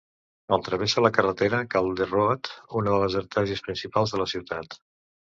El travessa la carretera Calder Road, una de les artèries principals de la ciutat.